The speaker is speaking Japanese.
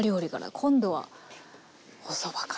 今度はおそばから。